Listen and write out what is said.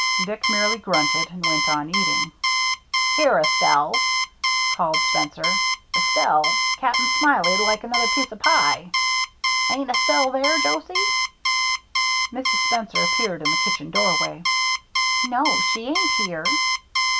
Dick merely grunted, and went on eating. " Here, Estelle !" called Spencer. " Estelle, Cap'n Smiley'd like another piece o' pie. Ain't Estelle there, Josie?" Mrs. Spencer appeared in the kitchen door way. " No, she ain't here."